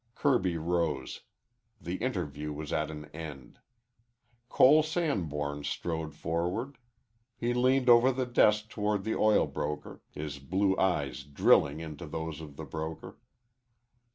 Kirby rose. The interview was at an end. Cole Sanborn strode forward. He leaned over the desk toward the oil broker, his blue eyes drilling into those of the broker.